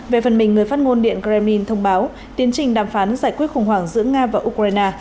về phần mình người phát ngôn điện kremlin thông báo tiến trình đàm phán giải quyết khủng hoảng giữa nga và ukraine